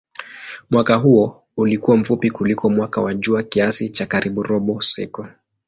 Mwaka huo ulikuwa mfupi kuliko mwaka wa jua kiasi cha karibu robo siku.